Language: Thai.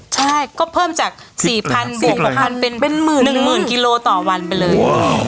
ใช่ก็เพิ่มจาก๔๐๐เป็น๑๐๐กิโลต่อวันไปเลย